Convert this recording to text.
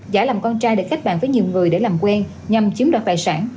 giải làm con trai để khách bạn với nhiều người để làm quen nhằm chiếm đoạt tài sản